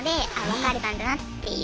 別れたんだなっていう。